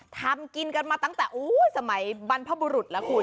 ทำกินกันมาตั้งแต่สมัยบรรพบุรุษแล้วคุณ